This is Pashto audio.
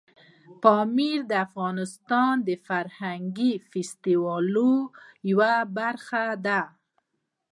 پامیر د افغانستان د فرهنګي فستیوالونو یوه برخه ده.